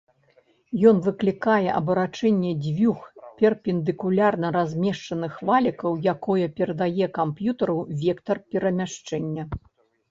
Ён выклікае абарачэнне дзвюх перпендыкулярна размешчаных валікаў, якое перадае камп'ютару вектар перамяшчэння.